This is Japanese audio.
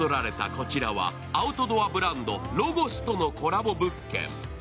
こちらはアウトドアブランド・ロゴスとのコラボ物件。